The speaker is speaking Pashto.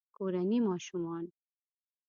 کورني ماشومان